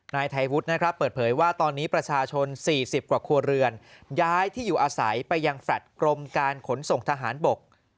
นายไทยวุฒินะครับเปิดเผยว่าตอนนี้ประชาชน๔๐กว่าครัวเรือนย้ายที่อยู่อาศัยไปยังแฟลต์กรมการขนส่งทหารบก